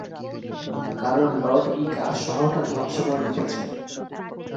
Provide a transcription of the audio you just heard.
কারণ লর্ড ইকা শহরটা ধ্বংস করে দিতে চায়।